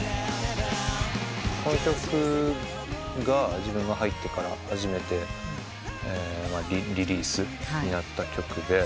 この曲が自分が入ってから初めてリリースになった曲で。